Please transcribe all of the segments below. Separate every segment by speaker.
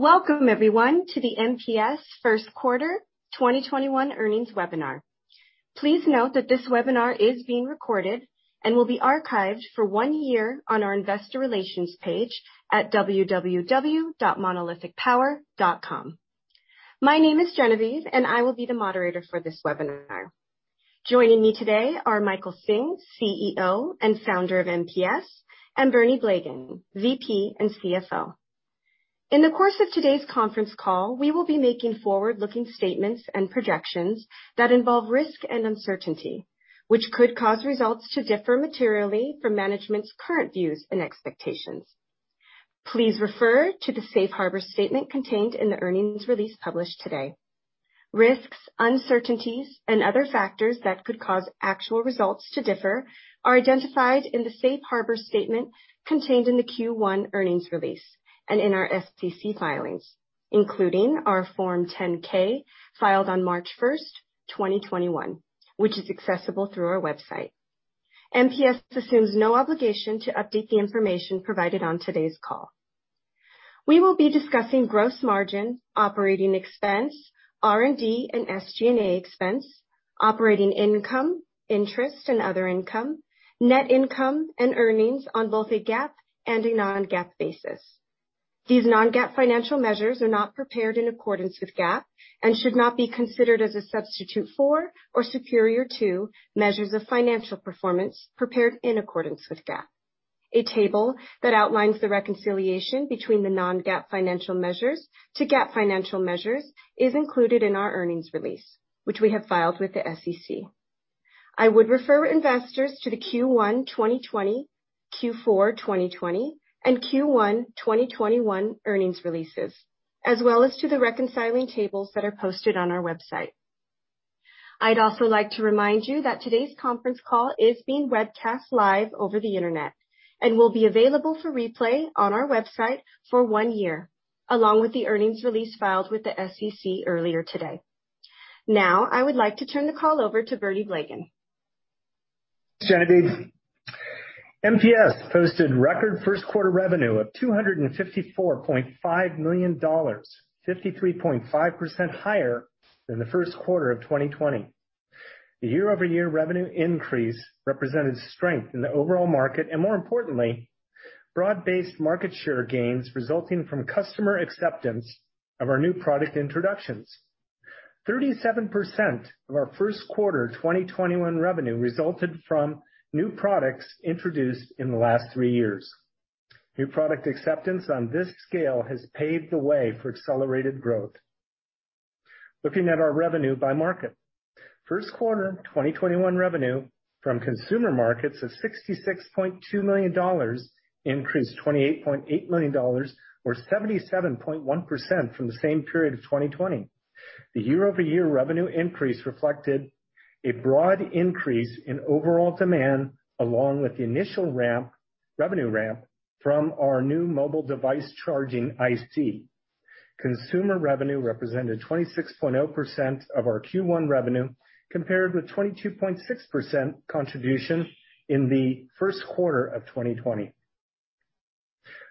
Speaker 1: Welcome everyone to the MPS first quarter 2021 earnings webinar. Please note that this webinar is being recorded and will be archived for one year on our investor relations page at www.monolithicpower.com. My name is Genevieve, I will be the moderator for this webinar. Joining me today are Michael Hsing, CEO and founder of MPS, Bernie Blegen, VP and CFO. In the course of today's conference call, we will be making forward-looking statements and projections that involve risk and uncertainty, which could cause results to differ materially from management's current views and expectations. Please refer to the safe harbor statement contained in the earnings release published today. Risks, uncertainties, and other factors that could cause actual results to differ are identified in the safe harbor statement contained in the Q1 earnings release, and in our SEC filings, including our Form 10-K filed on March 1, 2021, which is accessible through our website. MPS assumes no obligation to update the information provided on today's call. We will be discussing gross margin, operating expense, R&D, and SG&A expense, operating income, interest and other income, net income, and earnings on both a GAAP and a non-GAAP basis. These non-GAAP financial measures are not prepared in accordance with GAAP and should not be considered as a substitute for or superior to measures of financial performance prepared in accordance with GAAP. A table that outlines the reconciliation between the non-GAAP financial measures to GAAP financial measures is included in our earnings release, which we have filed with the SEC. I would refer investors to the Q1 2020, Q4 2020, and Q1 2021 earnings releases, as well as to the reconciling tables that are posted on our website. I'd also like to remind you that today's conference call is being webcast live over the internet and will be available for replay on our website for one year, along with the earnings release filed with the SEC earlier today. I would like to turn the call over to Bernie Blegen.
Speaker 2: MPS posted record first quarter revenue of $254.5 million, 53.5% higher than the first quarter of 2020. The year-over-year revenue increase represented strength in the overall market, and more importantly, broad-based market share gains resulting from customer acceptance of our new product introductions. 37% of our first quarter 2021 revenue resulted from new products introduced in the last three years. New product acceptance on this scale has paved the way for accelerated growth. Looking at our revenue by market. First quarter 2021 revenue from consumer markets of $66.2 million, increased $28.8 million, or 77.1% from the same period of 2020. The year-over-year revenue increase reflected a broad increase in overall demand, along with the initial revenue ramp from our new mobile device charging IC. Consumer revenue represented 26.0% of our Q1 revenue, compared with 22.6% contribution in the first quarter of 2020.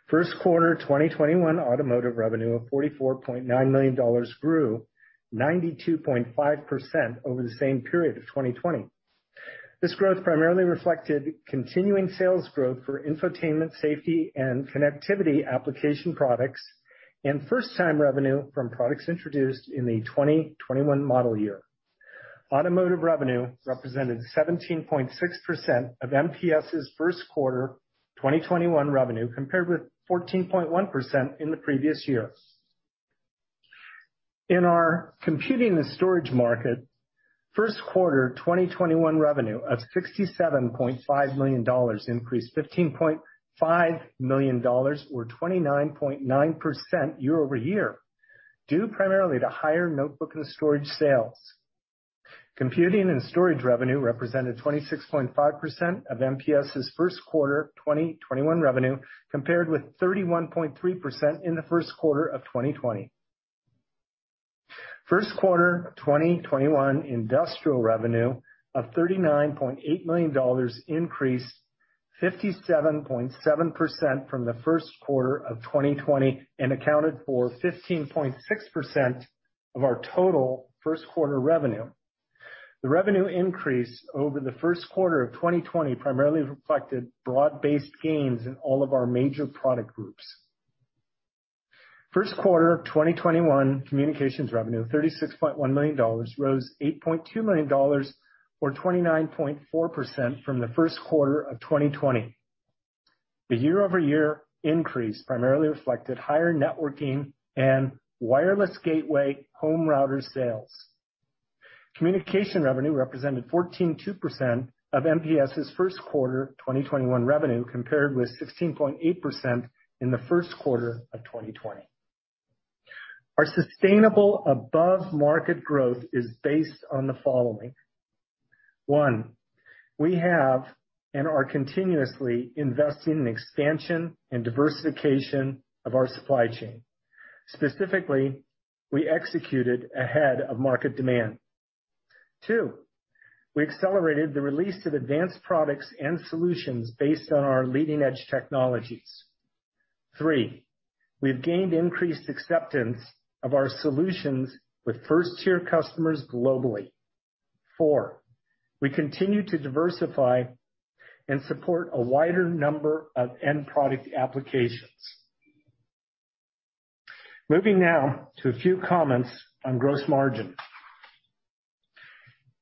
Speaker 2: First quarter 2021 automotive revenue of $44.9 million grew 92.5% over the same period of 2020. This growth primarily reflected continuing sales growth for infotainment safety and connectivity application products, and first-time revenue from products introduced in the 2021 model year. Automotive revenue represented 17.6% of MPS's first quarter 2021 revenue, compared with 14.1% in the previous year. In our computing and storage market, first quarter 2021 revenue of $67.5 million increased $15.5 million, or 29.9% year-over-year, due primarily to higher notebook and storage sales. Computing and storage revenue represented 26.5% of MPS's first quarter 2021 revenue, compared with 31.3% in the first quarter of 2020. First quarter 2021 industrial revenue of $39.8 million increased 57.7% from the first quarter of 2020 and accounted for 15.6% of our total first quarter revenue. The revenue increase over the first quarter of 2020 primarily reflected broad-based gains in all of our major product groups. First quarter 2021 communications revenue, $36.1 million, rose $8.2 million, or 29.4% from the first quarter of 2020. The year-over-year increase primarily reflected higher networking and wireless gateway home router sales. Communication revenue represented 14.2% of MPS's first quarter 2021 revenue, compared with 16.8% in the first quarter of 2020. Our sustainable above-market growth is based on the following. One, we have and are continuously investing in expansion and diversification of our supply chain. Specifically, we executed ahead of market demand. Two, we accelerated the release of advanced products and solutions based on our leading-edge technologies. Three, we've gained increased acceptance of our solutions with first-tier customers globally. Four, we continue to diversify and support a wider number of end product applications. Moving now to a few comments on gross margin.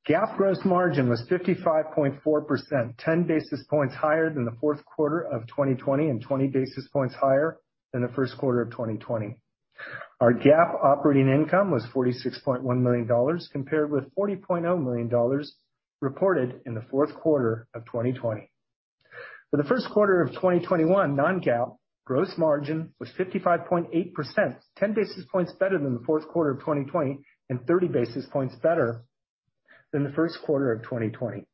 Speaker 2: GAAP gross margin was 55.4%, 10 basis points higher than the fourth quarter of 2020, and 20 basis points higher than the first quarter of 2020. Our GAAP operating income was $46.1 million, compared with $40.0 million reported in the fourth quarter of 2020. For the first quarter of 2021, non-GAAP gross margin was 55.8%, 10 basis points better than the fourth quarter of 2020, and 30 basis points better than the first quarter of 2020.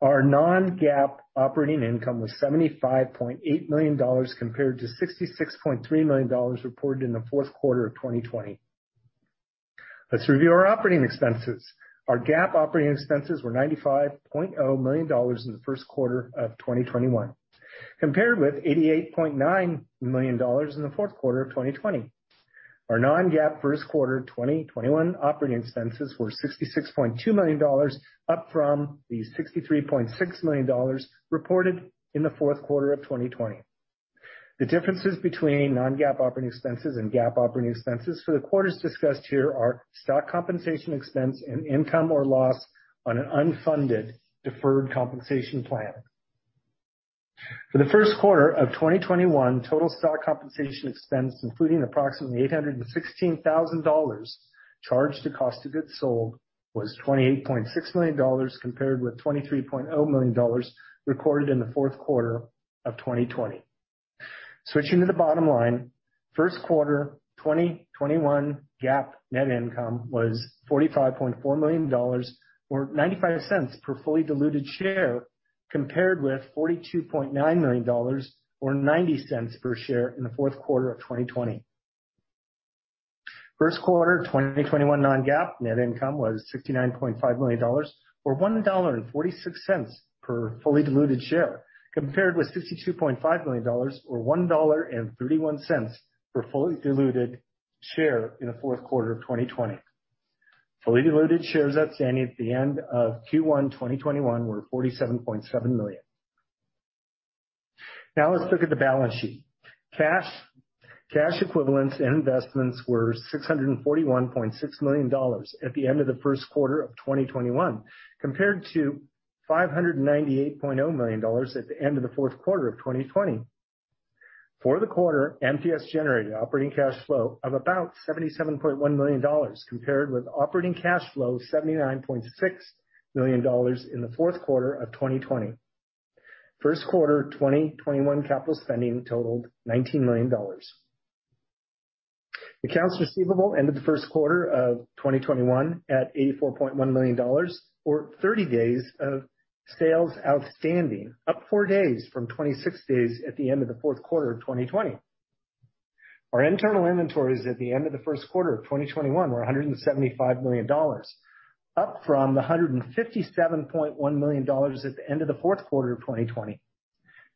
Speaker 2: Our non-GAAP operating income was $75.8 million, compared to $66.3 million reported in the fourth quarter of 2020. Let's review our operating expenses. Our GAAP operating expenses were $95.0 million in the first quarter of 2021, compared with $88.9 million in the fourth quarter of 2020. Our non-GAAP first quarter 2021 operating expenses were $66.2 million, up from the $63.6 million reported in the fourth quarter of 2020. The differences between non-GAAP operating expenses and GAAP operating expenses for the quarters discussed here are stock compensation expense, and income or loss on an unfunded deferred compensation plan. For the first quarter of 2021, total stock compensation expense, including approximately $816,000 charged to cost of goods sold, was $28.6 million, compared with $23.0 million recorded in the fourth quarter of 2020. Switching to the bottom line, first quarter 2021 GAAP net income was $45.4 million, or $0.95 per fully diluted share, compared with $42.9 million, or $0.90 per share in the fourth quarter of 2020. First quarter 2021 non-GAAP net income was $69.5 million, or $1.46 per fully diluted share, compared with $52.5 million, or $1.31 per fully diluted share in the fourth quarter of 2020. Fully diluted shares outstanding at the end of Q1 2021 were 47.7 million. Now let's look at the balance sheet. Cash, cash equivalents, and investments were $641.6 million at the end of the first quarter of 2021, compared to $598.0 million at the end of the fourth quarter of 2020. For the quarter, MPS generated operating cash flow of about $77.1 million, compared with operating cash flow of $79.6 million in the fourth quarter of 2020. First quarter 2021 capital spending totaled $19 million. Accounts receivable ended the first quarter of 2021 at $84.1 million, or 30 days of sales outstanding, up four days from 26 days at the end of the fourth quarter of 2020. Our internal inventories at the end of the first quarter of 2021 were $175 million, up from the $157.1 million at the end of the fourth quarter of 2020.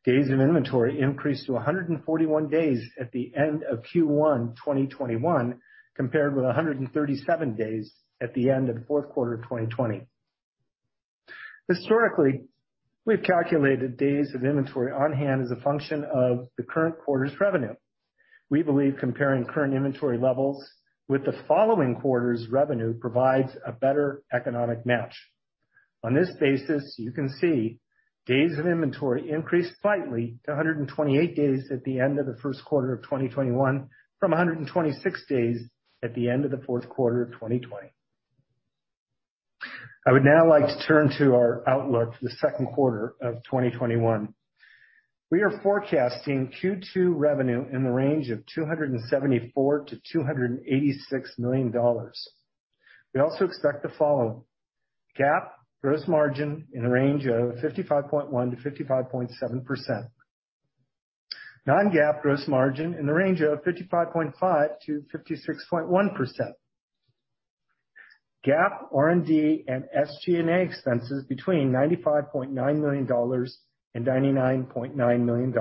Speaker 2: Days of inventory increased to 141 days at the end of Q1 2021, compared with 137 days at the end of the fourth quarter of 2020. Historically, we've calculated days of inventory on-hand as a function of the current quarter's revenue. We believe comparing current inventory levels with the following quarter's revenue provides a better economic match. On this basis, you can see days of inventory increased slightly to 128 days at the end of the first quarter of 2021 from 126 days at the end of the fourth quarter of 2020. I would now like to turn to our outlook for the second quarter of 2021. We are forecasting Q2 revenue in the range of $274-$286 million. We also expect the following. GAAP gross margin in the range of 55.1%-55.7%. Non-GAAP gross margin in the range of 55.5%-56.1%. GAAP R&D and SG&A expenses between $95.9 million and $99.9 million.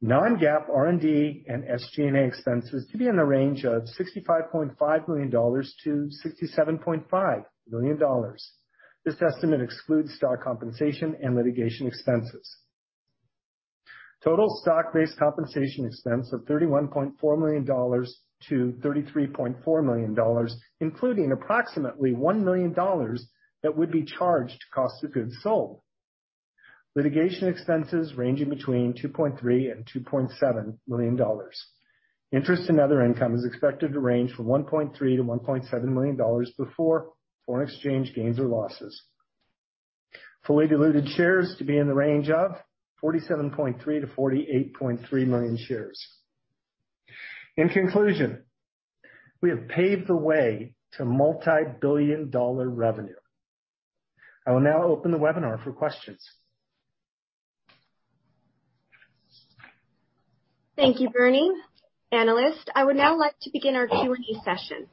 Speaker 2: Non-GAAP R&D and SG&A expenses to be in the range of $65.5 million-$67.5 million. This estimate excludes stock compensation and litigation expenses. Total stock-based compensation expense of $31.4 million-$33.4 million, including approximately $1 million that would be charged to cost of goods sold. Litigation expenses ranging between $2.3 million-$2.7 million. Interest and other income is expected to range from $1.3 million-$1.7 million before foreign exchange gains or losses. Fully diluted shares to be in the range of 47.3 million-48.3 million shares. In conclusion, we have paved the way to multi-billion dollar revenue. I will now open the webinar for questions.
Speaker 1: Thank you, Bernie. Analysts, I would now like to begin our Q&A session.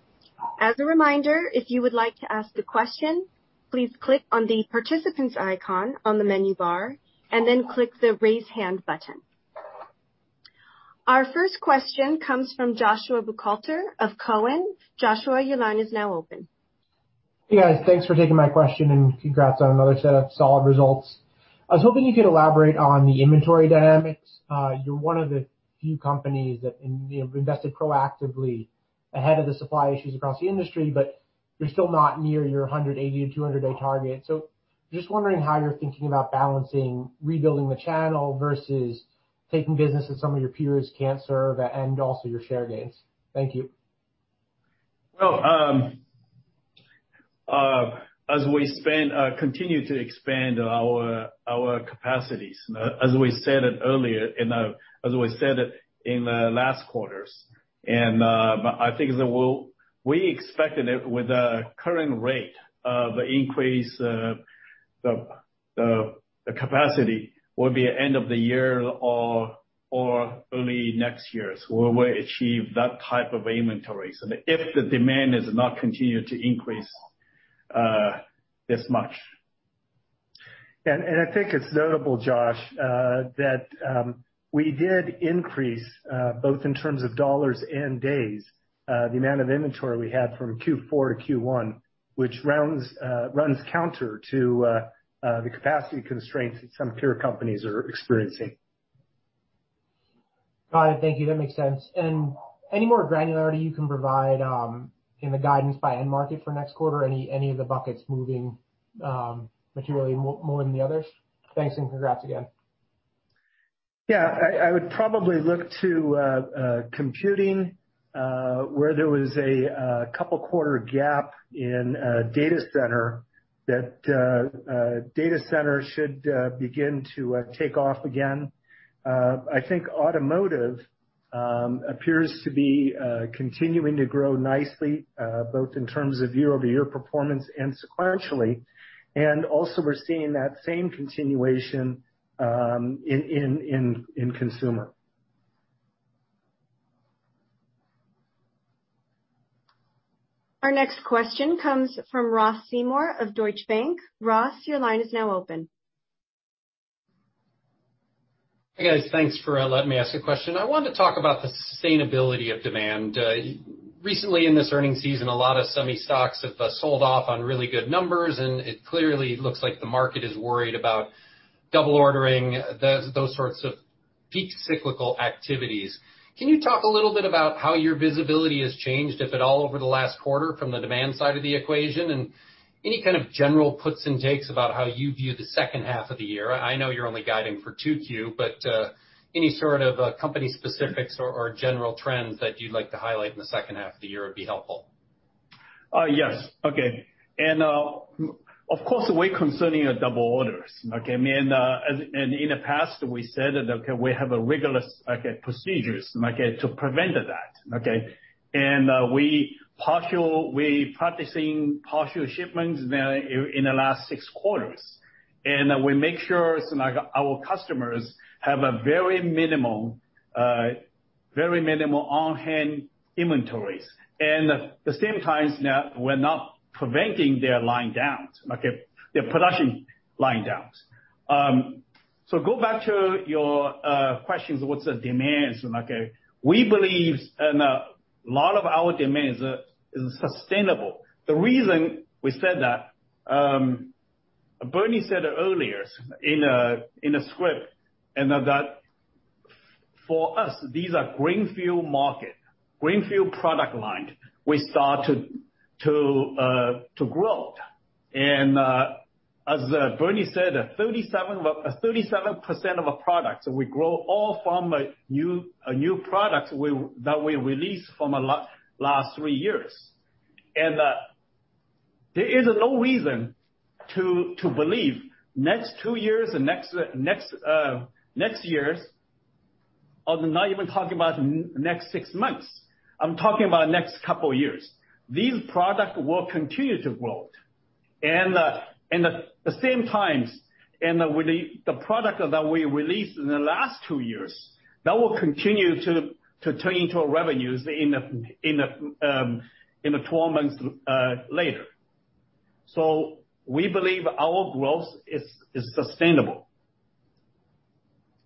Speaker 1: As a reminder, if you would like to ask a question, please click on the participants icon on the menu bar, and then click the Raise Hand button. Our first question comes from Joshua Buchalter of Cowen. Joshua, your line is now open.
Speaker 3: Hey, guys. Thanks for taking my question, and congrats on another set of solid results. I was hoping you could elaborate on the inventory dynamics. You're one of the few companies that invested proactively ahead of the supply issues across the industry, but you're still not near your 180-day to 200-day target. Just wondering how you're thinking about balancing rebuilding the channel versus taking business that some of your peers can't serve and also your share gains. Thank you.
Speaker 4: As we continue to expand our capacities, as we said it earlier, as we said it in the last quarters, and I think we expected it with the current rate of increase, the capacity will be end of the year or early next year, is when we achieve that type of inventory. If the demand has not continued to increase this much.
Speaker 2: I think it's notable, Josh, that we did increase, both in terms of dollars and days, the amount of inventory we had from Q4 -Q1, which runs counter to the capacity constraints that some peer companies are experiencing.
Speaker 3: Got it. Thank you. That makes sense. Any more granularity you can provide in the guidance by end market for next quarter? Any of the buckets moving materially more than the others? Thanks, and congrats again.
Speaker 2: Yeah. I would probably look to computing, where there was a couple quarter gap in data center, that data center should begin to take off again. I think automotive appears to be continuing to grow nicely, both in terms of year-over-year performance and sequentially. Also we're seeing that same continuation in consumer.
Speaker 1: Our next question comes from Ross Seymore of Deutsche Bank. Ross, your line is now open.
Speaker 5: Hey, guys. Thanks for letting me ask a question. I wanted to talk about the sustainability of demand. Recently in this earning season, a lot of semi stocks have sold off on really good numbers. It clearly looks like the market is worried about double ordering, those sorts of peak cyclical activities. Can you talk a little bit about how your visibility has changed, if at all, over the last quarter from the demand side of the equation, and any kind of general puts and takes about how you view the second half of the year? I know you're only guiding for Q2. Any sort of company specifics or general trends that you'd like to highlight in the second half of the year would be helpful.
Speaker 4: Yes. Okay. Of course, we're concerning double orders. Okay. In the past, we said that, okay, we have rigorous procedures to prevent that. Okay. We're practicing partial shipments now in the last six quarters. We make sure our customers have very minimal on-hand inventories. At the same time, we're not preventing their line downs, their production line downs. Go back to your questions, what's the demands? Okay. We believe a lot of our demands is sustainable. The reason we said that, Bernie said it earlier in the script, and that for us, these are greenfield market, greenfield product line we started to grow. As Bernie said, 37% of products we grow all from a new product that we released from last three years. There is no reason to believe next two years and next years, I'm not even talking about next six months, I'm talking about next couple of years. These products will continue to grow. At the same time, the product that we released in the last two years, that will continue to turn into revenues in the 12 months later. We believe our growth is sustainable.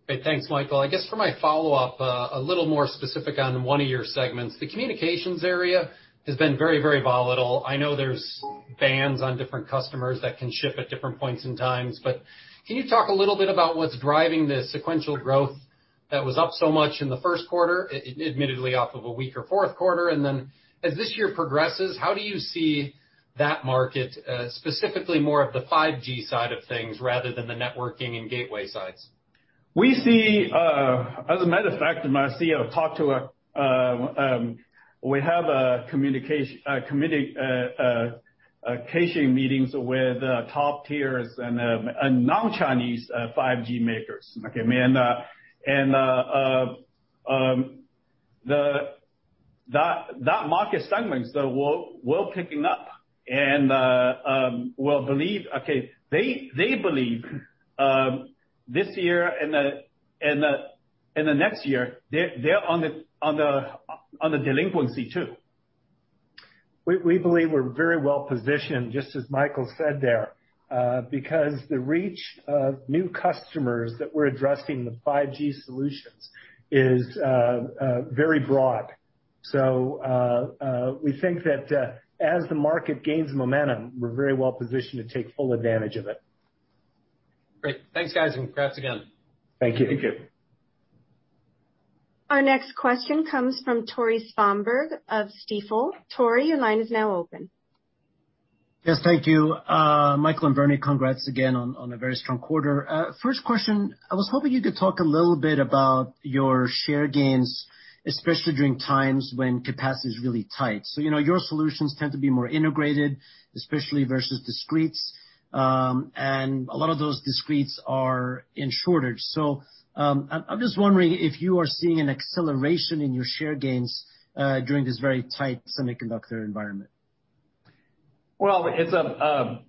Speaker 5: Great. Thanks, Michael. I guess for my follow-up, a little more specific on one of your segments. The communications area has been very volatile. I know there's bans on different customers that can ship at different points in times. Can you talk a little bit about what's driving the sequential growth that was up so much in the first quarter, admittedly off of a weaker fourth quarter? As this year progresses, how do you see that market, specifically more of the 5G side of things rather than the networking and gateway sides?
Speaker 4: As a matter of fact, we have communication meetings with top tiers and non-Chinese 5G makers. Okay. That market segment is well picking up, and they believe this year and the next year, they're on the delinquency too.
Speaker 2: We believe we're very well positioned, just as Michael said there, because the reach of new customers that we're addressing with 5G solutions is very broad. We think that as the market gains momentum, we're very well positioned to take full advantage of it.
Speaker 5: Great. Thanks, guys, and congrats again.
Speaker 2: Thank you.
Speaker 4: Thank you.
Speaker 1: Our next question comes from Tore Svanberg of Stifel. Tore, your line is now open.
Speaker 6: Yes, thank you. Michael and Bernie, congrats again on a very strong quarter. First question, I was hoping you could talk a little bit about your share gains, especially during times when capacity is really tight. Your solutions tend to be more integrated, especially versus discretes. A lot of those discretes are in shortage. I'm just wondering if you are seeing an acceleration in your share gains during this very tight semiconductor environment.
Speaker 4: Well, I can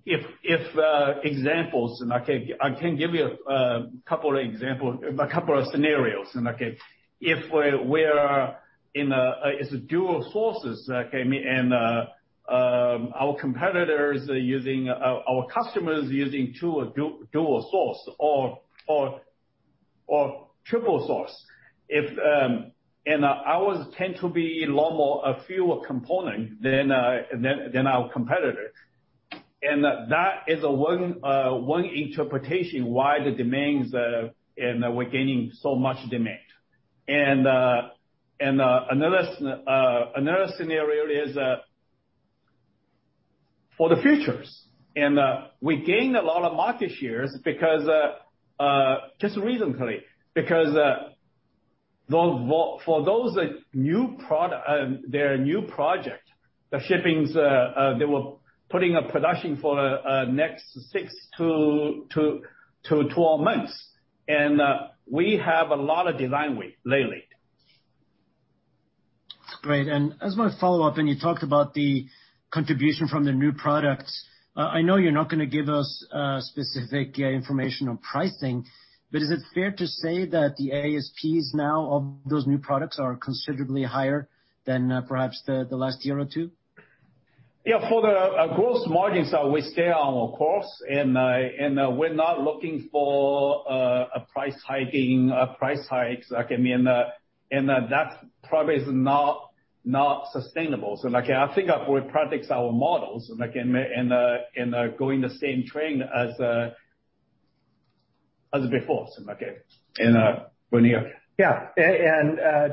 Speaker 4: give you a couple of scenarios. If it's dual sources, and our customers are using dual source or triple source. Ours tend to be a lot more, a fewer component than our competitor. That is one interpretation why we're gaining somuch demand. Another scenario is for the futures. We gained a lot of market shares just recently, because for those new project, the shippings, they were putting a production for next 6-12 months. We have a lot of design wins lately.
Speaker 6: Great. I just want to follow up, you talked about the contribution from the new products. I know you're not going to give us specific information on pricing, is it fair to say that the ASPs now of those new products are considerably higher than perhaps the last year or two?
Speaker 4: Yeah. For the gross margins, we stay on our course, and we're not looking for a price hike. That probably is not sustainable. I think our products, our models, and going the same trend as before. Bernie?
Speaker 2: Yeah.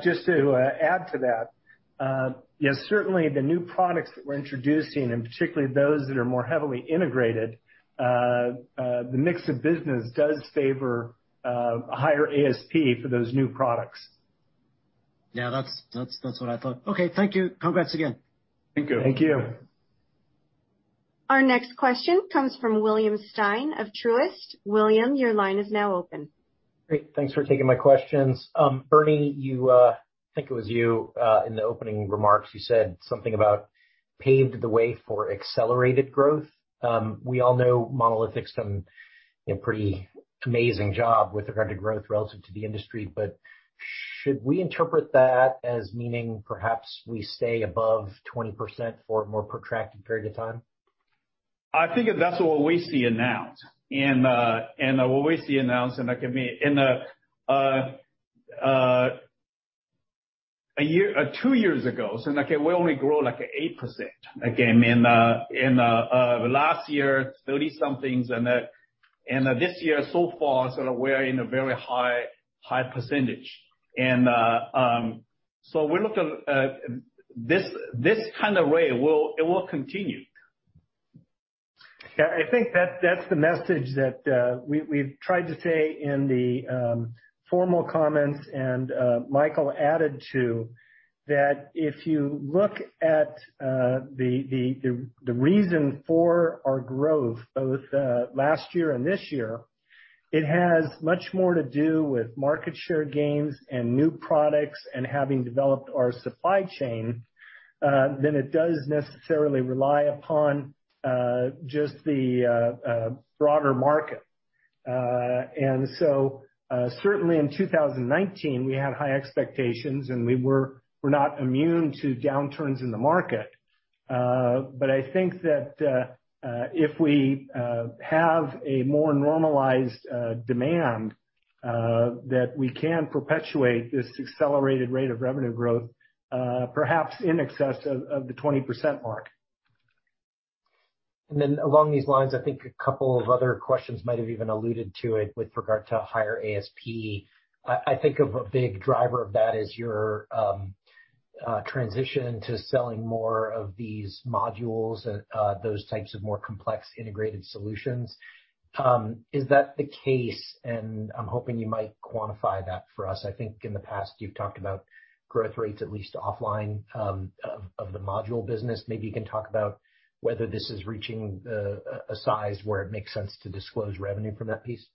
Speaker 2: Just to add to that, yes, certainly the new products that we're introducing, and particularly those that are more heavily integrated, the mix of business does favor a higher ASP for those new products.
Speaker 6: Yeah, that's what I thought. Okay, thank you. Congrats again.
Speaker 4: Thank you.
Speaker 2: Thank you.
Speaker 1: Our next question comes from William Stein of Truist. William, your line is now open.
Speaker 7: Great. Thanks for taking my questions. Bernie, I think it was you, in the opening remarks, you said something about paved the way for accelerated growth. We all know Monolithic's done a pretty amazing job with regard to growth relative to the industry, should we interpret that as meaning perhaps we stay above 20% for a more protracted period of time?
Speaker 4: I think that's what we see now. What we see now, two years ago, we only grow like 8%. In the last year, 30-somethings, this year so far, we're in a very high percentage. This kind of rate, it will continue.
Speaker 2: Yeah, I think that's the message that we've tried to say in the formal comments, and Michael added to, that if you look at the reason for our growth both last year and this year, it has much more to do with market share gains and new products and having developed our supply chain than it does necessarily rely upon just the broader market. Certainly in 2019, we had high expectations, and we're not immune to downturns in the market. I think that if we have a more normalized demand, that we can perpetuate this accelerated rate of revenue growth, perhaps in excess of the 20% Mike.
Speaker 7: Along these lines, I think a couple of other questions might have even alluded to it with regard to higher ASP. I think of a big driver of that is your transition to selling more of these modules and those types of more complex integrated solutions. Is that the case? I'm hoping you might quantify that for us. I think in the past, you've talked about growth rates, at least offline, of the module business. Maybe you can talk about whether this is reaching a size where it makes sense to disclose revenue from that piece.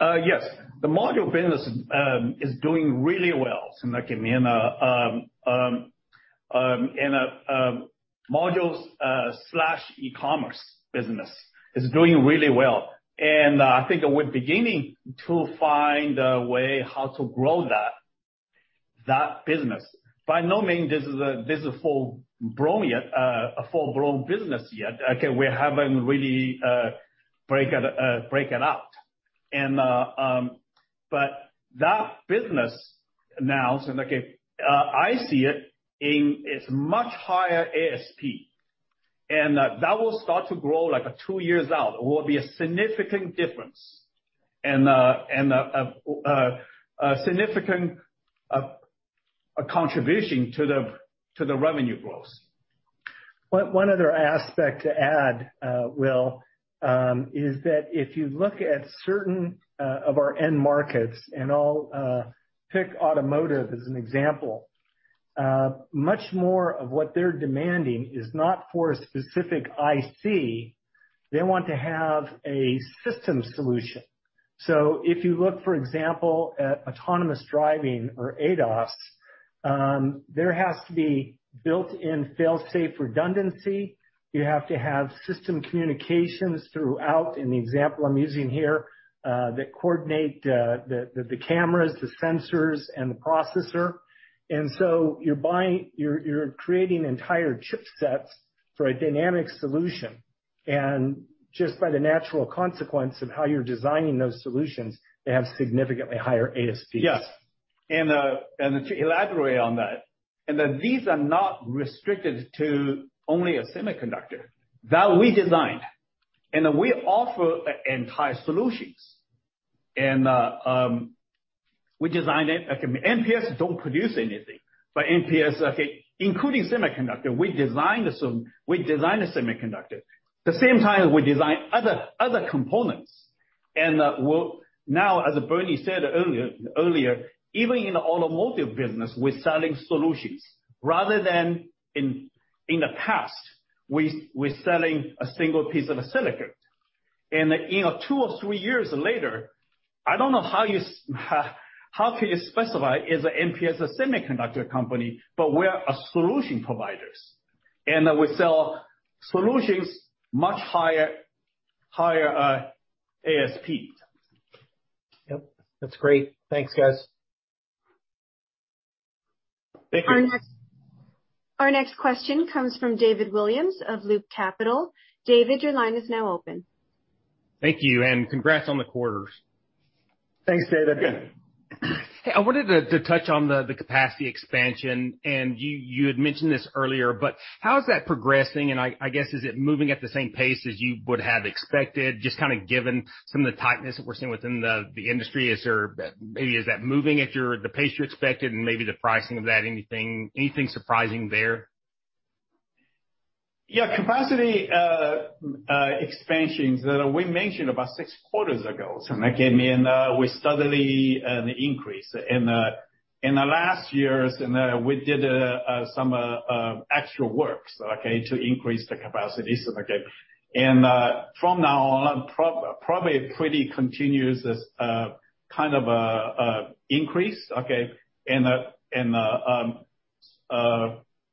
Speaker 4: Yes. The module business is doing really well. Modules/e-commerce business is doing really well. I think we're beginning to find a way how to grow that business. By no means this is a full-blown business yet. Okay, we haven't really break it out. That business now, I see it in its much higher ASP, and that will start to grow like a two years out. It will be a significant difference and a significant contribution to the revenue growth.
Speaker 2: One other aspect to add, Will, is that if you look at certain of our end markets, I'll pick automotive as an example. Much more of what they're demanding is not for a specific IC, they want to have a system solution. If you look, for example, at autonomous driving or ADAS, there has to be built-in fail-safe redundancy. You have to have system communications throughout, in the example I'm using here, that coordinate the cameras, the sensors, and the processor. You're creating entire chipsets for a dynamic solution. Just by the natural consequence of how you're designing those solutions, they have significantly higher ASPs.
Speaker 4: Yes. To elaborate on that, and that these are not restricted to only a semiconductor. That we designed and we offer entire solutions. We design it. MPS don't produce anything. MPS, including semiconductor, we design the semiconductor. At the same time we design other components, and now, as Bernie said earlier, even in the automotive business, we're selling solutions rather than in the past, we're selling a single piece of a silicon. Two or three years later, I don't know how can you specify is MPS a semiconductor company, but we're a solution providers. We sell solutions much higher ASP.
Speaker 7: Yep, that's great. Thanks, guys.
Speaker 4: Thank you.
Speaker 1: Our next question comes from David Williams of Loop Capital. David, your line is now open.
Speaker 8: Thank you. Congrats on the quarters.
Speaker 4: Thanks, David.
Speaker 2: Yeah.
Speaker 8: Hey, I wanted to touch on the capacity expansion, and you had mentioned this earlier, but how is that progressing, and I guess, is it moving at the same pace as you would have expected, just kind of given some of the tightness that we're seeing within the industry? Maybe is that moving at the pace you expected and maybe the pricing of that, anything surprising there?
Speaker 4: Yeah, capacity expansions that we mentioned about six quarters ago. We steadily increase. In the last years, we did some extra works to increase the capacities. From now on, probably pretty continuous as kind of increase. Bernie,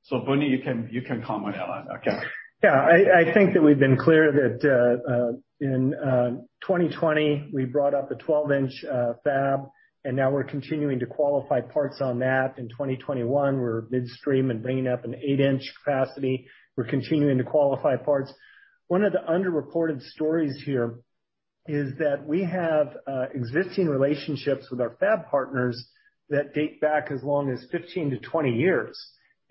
Speaker 4: you can comment on that. Okay.
Speaker 2: Yeah, I think that we've been clear that, in 2020, we brought up a 12-inch fab. Now we're continuing to qualify parts on that. In 2021, we're midstream and bringing up an eight-inch capacity. We're continuing to qualify parts. One of the underreported stories here is that we have existing relationships with our fab partners that date back as long as 15 -20 years.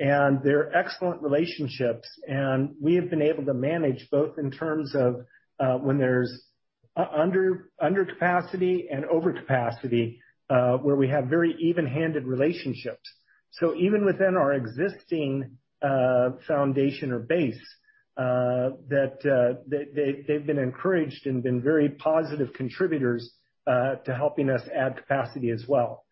Speaker 2: They're excellent relationships, and we have been able to manage both in terms of when there's under capacity and over capacity, where we have very even-handed relationships. Even within our existing foundation or base, they've been encouraged and been very positive contributors to helping us add capacity as well.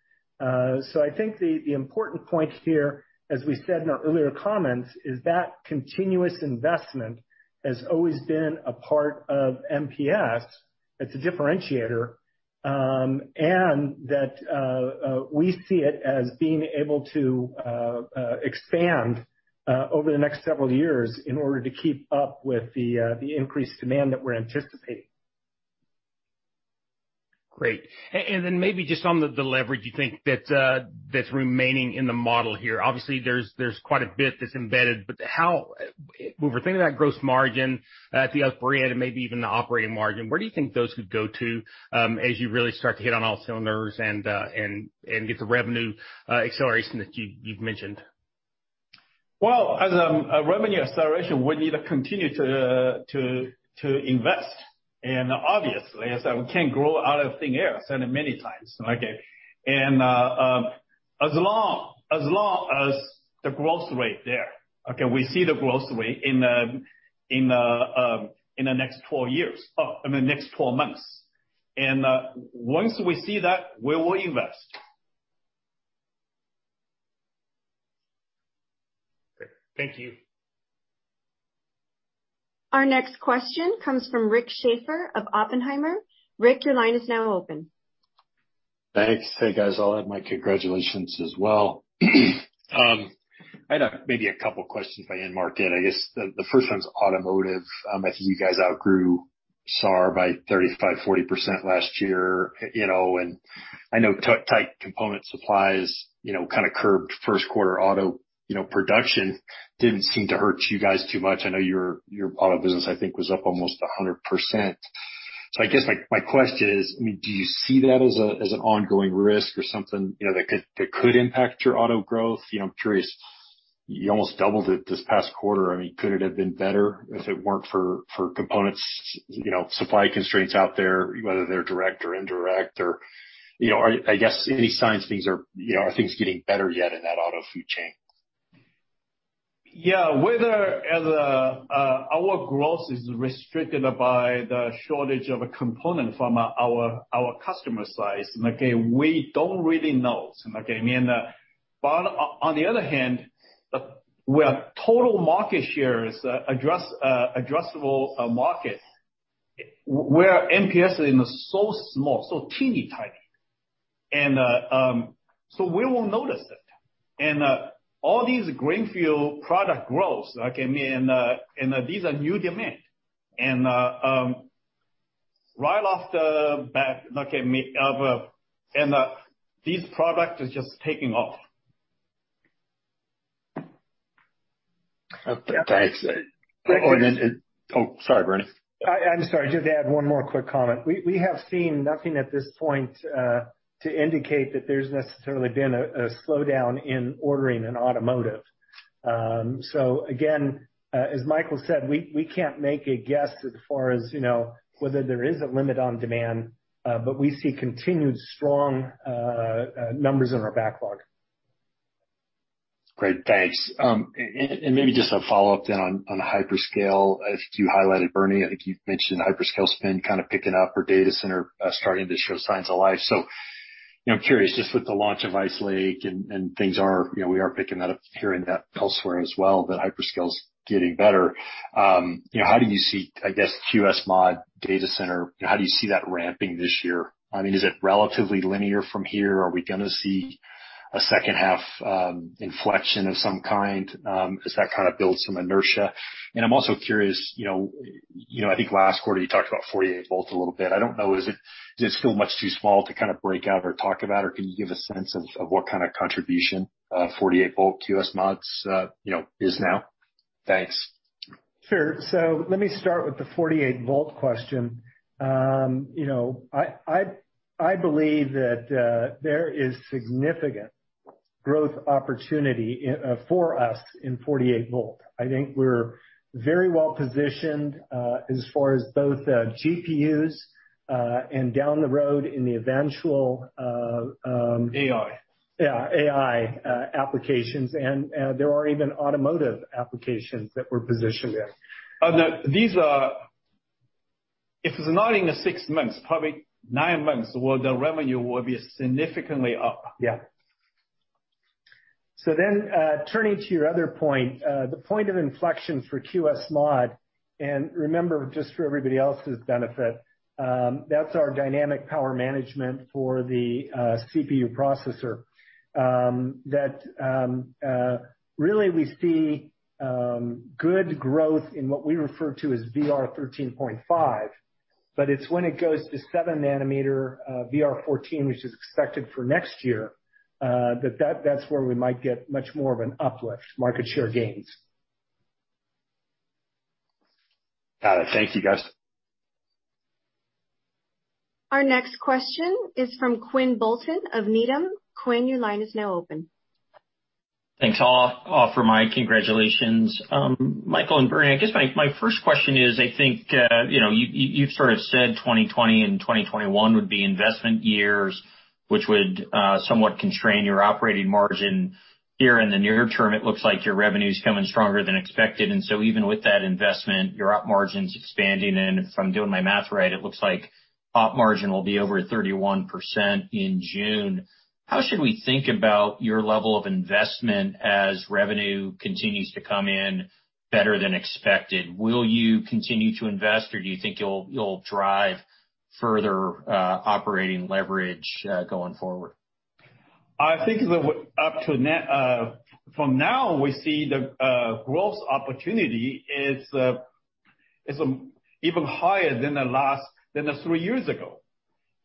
Speaker 2: I think the important point here, as we said in our earlier comments, is that continuous investment has always been a part of MPS. It's a differentiator, and that we see it as being able to expand over the next several years in order to keep up with the increased demand that we're anticipating.
Speaker 8: Great. Maybe just on the leverage you think that's remaining in the model here, obviously there's quite a bit that's embedded, but when we're thinking about gross margin, the operating margin, where do you think those could go to as you really start to hit on all cylinders and get the revenue acceleration that you've mentioned?
Speaker 4: Well, as a revenue acceleration, we need to continue to invest. Obviously, as I said, we can't grow out of thin air, said it many times. As long as the growth rate there. We see the growth rate in the next 12 months. Once we see that, we will invest. Thank you.
Speaker 1: Our next question comes from Rick Schafer of Oppenheimer. Rick, your line is now open.
Speaker 9: Thanks. Hey, guys. I'll add my congratulations as well. I had maybe a couple questions if I can, Mike. I guess the first one's automotive. I think you guys outgrew SAAR by 35%-40% last year. I know tight component supplies kind of curbed first quarter auto production. Didn't seem to hurt you guys too much. I know your auto business, I think, was up almost 100%. I guess my question is: I mean, do you see that as an ongoing risk or something that could impact your auto growth? I'm curious, you almost doubled it this past quarter. Could it have been better if it weren't for components supply constraints out there, whether they're direct or indirect or I guess, any signs are things getting better yet in that auto food chain?
Speaker 4: Yeah. Whether our growth is restricted by the shortage of a component from our customer side, okay, we don't really know. On the other hand, where total market share is addressable market, where MPS is so small, so teeny-tiny. We won't notice that. All these greenfield product growth, these are new demands. These products are just taking off.
Speaker 9: Okay. Thanks.
Speaker 4: Thank you.
Speaker 9: Oh, sorry, Bernie.
Speaker 2: I'm sorry. Just to add one more quick comment. We have seen nothing at this point to indicate that there's necessarily been a slowdown in ordering in automotive. Again, as Michael said, we can't make a guess as far as whether there is a limit on demand. We see continued strong numbers in our backlog.
Speaker 9: Great. Thanks. Maybe just a follow-up then on the hyperscale. I think you highlighted, Bernie, I think you've mentioned hyperscale spend kind of picking up or data center starting to show signs of life. I'm curious, just with the launch of Ice Lake and things are, we are picking that up, hearing that elsewhere as well, that hyperscale's getting better. How do you see, I guess, QSMod data center? How do you see that ramping this year? Is it relatively linear from here? Are we going to see a second half inflection of some kind? Does that kind of build some inertia? I'm also curious, I think last quarter you talked about 48 volt a little bit. I don't know, does it feel much too small to kind of break out or talk about? Can you give a sense of what kind of contribution 48 volt QSMods is now? Thanks.
Speaker 2: Sure. let me start with the 48 volt question. I believe that there is significant growth opportunity for us in 48 volt. I think we're very well-positioned as far as both GPUs, and down the road.
Speaker 4: AI
Speaker 2: Yeah, AI applications, and there are even automotive applications that we're positioned in.
Speaker 4: If it's not in six months, probably nine months, where the revenue will be significantly up.
Speaker 2: Yeah. Turning to your other point, the point of inflection for QSMod, and remember, just for everybody else's benefit, that's our dynamic power management for the CPU processor, that really we see good growth in what we refer to as VR13.5. It's when it goes to seven nanometer VR14, which is expected for next year, that that's where we might get much more of an uplift, market share gains.
Speaker 9: Got it. Thank you, guys.
Speaker 1: Our next question is from Quinn Bolton of Needham.
Speaker 10: Thanks all for my congratulations. Bernie, I guess my first question is, I think you've sort of said 2020 and 2021 would be investment years, which would somewhat constrain your operating margin. Here in the near term, it looks like your revenue's coming stronger than expected. Even with that investment, your op margin's expanding. If I'm doing my math right, it looks like op margin will be over 31% in June. How should we think about your level of investment as revenue continues to come in better than expected? Will you continue to invest, or do you think you'll drive further operating leverage going forward?
Speaker 4: I think from now, we see the growth opportunity is even higher than the last, than the three years ago.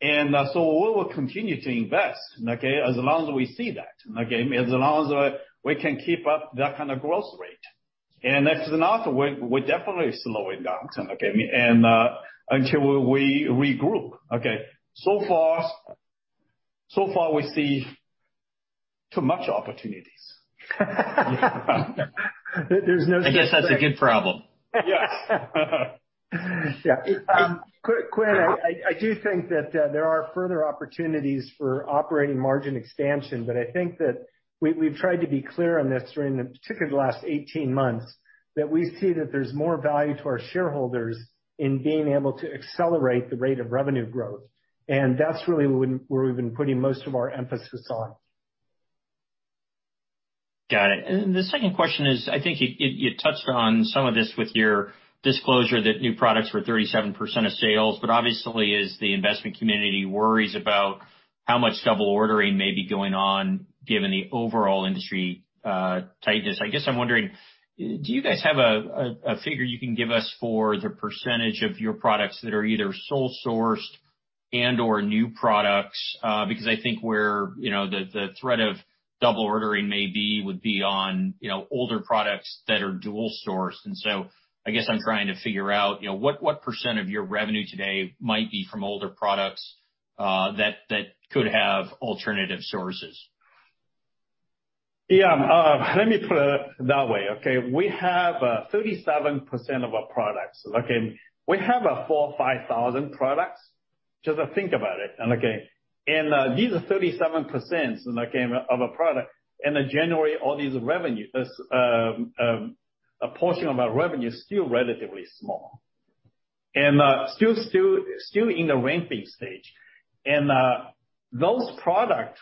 Speaker 4: We will continue to invest, okay, as long as we see that, as long as we can keep up that kind of growth rate. If not, we're definitely slowing down, okay? Until we regroup. So far we see too much opportunities.
Speaker 2: There's no such thing.
Speaker 10: I guess that's a good problem.
Speaker 4: Yes.
Speaker 2: Yeah. Quinn, I do think that there are further opportunities for operating margin expansion, but I think that we've tried to be clear on this during, particularly, the last 18 months, that we see that there's more value to our shareholders in being able to accelerate the rate of revenue growth. That's really where we've been putting most of our emphasis on.
Speaker 10: Got it. The second question is, I think you touched on some of this with your disclosure that new products were 37% of sales, but obviously as the investment community worries about how much double ordering may be going on given the overall industry tightness, I guess I'm wondering, do you guys have a figure you can give us for the percentage of your products that are either sole sourced and/or new products? Because I think where the threat of double ordering may be would be on older products that are dual sourced. I guess I'm trying to figure out, what percent of your revenue today might be from older products that could have alternative sources?
Speaker 4: Yeah. Let me put it that way, okay. We have 37% of our products, okay. We have 4,000 or 5,000 products. Just think about it. These are 37% of a product. Generally, all these revenue, a portion of our revenue is still relatively small and still in the ramping stage. Those products,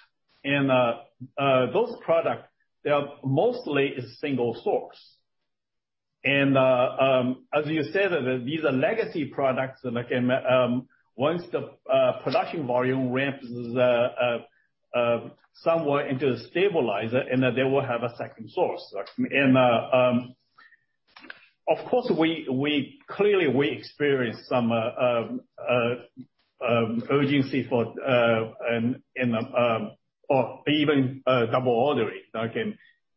Speaker 4: they are mostly a single source. As you said, these are legacy products. Once the production volume ramps somewhat into the stabilizer, and then they will have a second source. Of course, clearly we experience some urgency for or even double ordering, okay.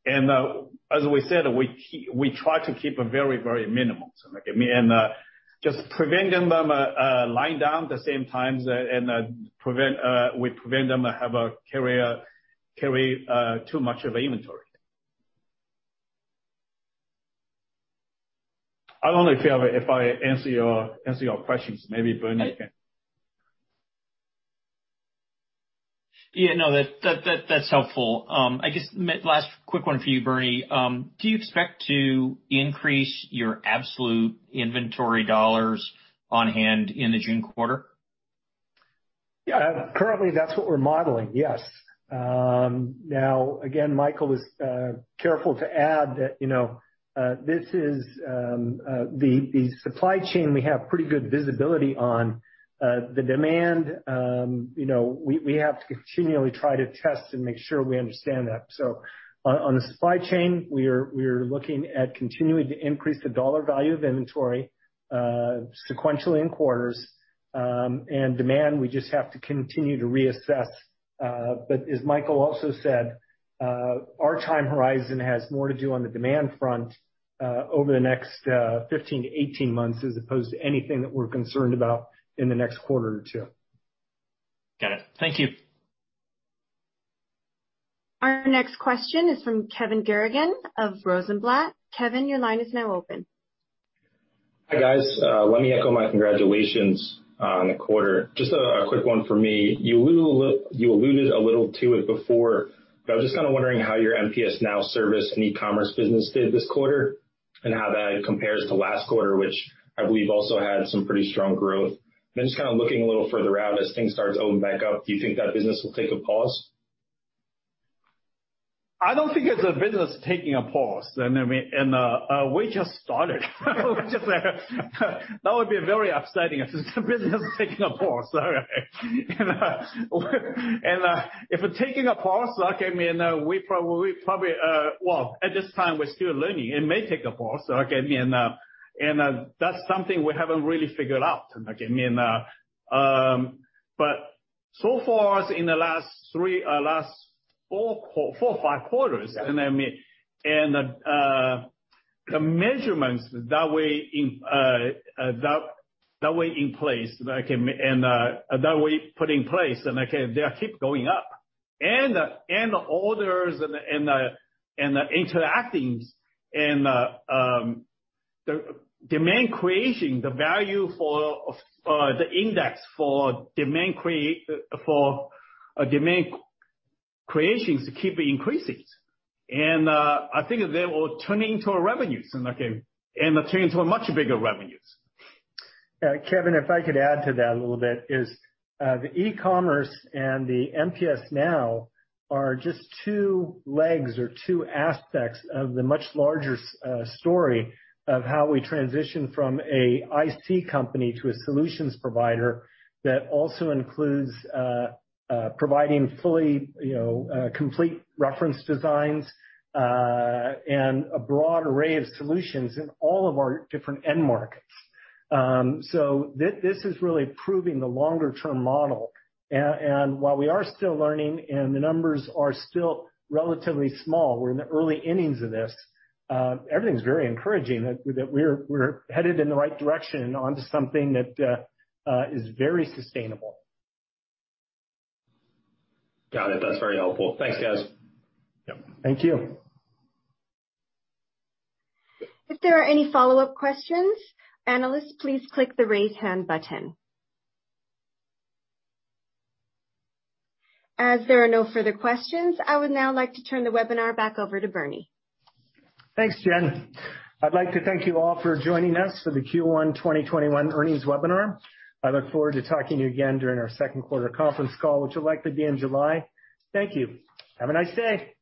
Speaker 4: As we said, we try to keep very minimal. Just preventing them line down the same times and we prevent them to have a carry too much of inventory. I don't know if I answer your questions. Maybe Bernie can.
Speaker 10: Yeah, no, that's helpful. I guess last quick one for you, Bernie. Do you expect to increase your absolute inventory dollars on hand in the June quarter?
Speaker 2: Yeah. Currently, that's what we're modeling. Yes. Again, Michael was careful to add that the supply chain we have pretty good visibility on. The demand, we have to continually try to test and make sure we understand that. On the supply chain, we are looking at continuing to increase the dollar value of inventory sequentially in quarters, and demand, we just have to continue to reassess. As Michael also said, our time horizon has more to do on the demand front, over the next 15-18 months, as opposed to anything that we're concerned about in the next quarter or two.
Speaker 10: Got it. Thank you.
Speaker 1: Our next question is from Kevin Garrigan of Rosenblatt. Kevin, your line is now open.
Speaker 11: Hi, guys. Let me echo my congratulations on the quarter. Just a quick one for me. You alluded a little to it before, but I was just kind of wondering how your MPSNow service and e-commerce business did this quarter, and how that compares to last quarter, which I believe also had some pretty strong growth. Just kind of looking a little further out as things start to open back up, do you think that business will take a pause?
Speaker 4: I don't think it's a business taking a pause. We just started. That would be very upsetting if it's a business taking a pause. All right. If we're taking a pause, well, at this time, we're still learning. It may take a pause. That's something we haven't really figured out. So far as in the last four or five quarters, and the measurements that we put in place, they keep going up, and the orders and the interactings and the demand creation, the value for the index for demand creation keep increasing. I think they will turn into revenues, and turn into much bigger revenues.
Speaker 2: Kevin, if I could add to that a little bit, is the e-commerce and the MPSNow are just two legs or two aspects of the much larger story of how we transition from a IC company to a solutions provider that also includes providing fully complete reference designs and a broad array of solutions in all of our different end markets. This is really proving the longer-term model. While we are still learning and the numbers are still relatively small, we're in the early innings of this, everything's very encouraging that we're headed in the right direction onto something that is very sustainable.
Speaker 11: Got it. That's very helpful. Thanks, guys.
Speaker 4: Yep.
Speaker 2: Thank you.
Speaker 1: If there are any follow-up questions, analysts, please click the raise hand button. As there are no further questions, I would now like to turn the webinar back over to Bernie.
Speaker 2: Thanks, Jen. I'd like to thank you all for joining us for the Q1 2021 earnings webinar. I look forward to talking to you again during our second quarter conference call, which will likely be in July. Thank you. Have a nice day.